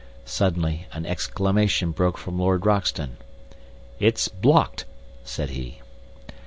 Suddenly an exclamation broke from Lord Roxton. "It's blocked!" said he.